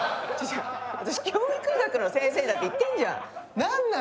私教育学の先生だって言ってんじゃん。